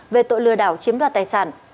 về tội lừa đảo chiếm đoạt tài sản